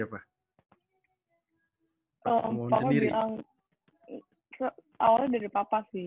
bapak bilang awalnya dari papa sih